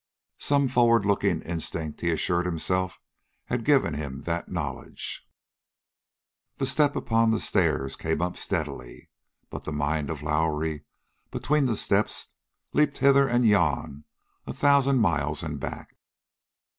Some forward looking instinct, he assured himself, had given him that knowledge. The step upon the stairs came up steadily. But the mind of Lowrie, between the steps, leaped hither and yon, a thousand miles and back.